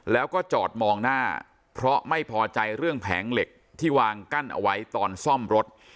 แล้วก็จอดมองหน้าเพราะไม่พอใจเรื่องแผงเหล็กที่วางกั้นเอาไว้ตอนซ่อมรถ